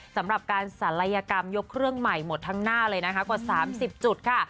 สำหรับการศัลยกรรมยกเครื่องใหม่หมดทั้งหน้าเลยนะคะกว่า๓๐จุดค่ะ